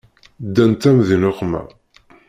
Ddant-am di nneqma.